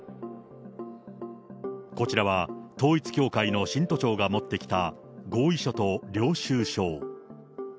こちらは、統一教会の信徒長が持ってきた合意書と領収書。